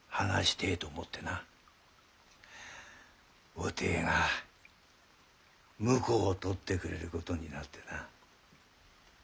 おていが婿をとってくれることになってな。